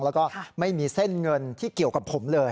แล้วก็ไม่มีเส้นเงินที่เกี่ยวกับผมเลย